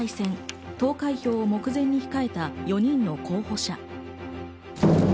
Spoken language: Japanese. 総裁選投開票を目前に控えた４人の候補者。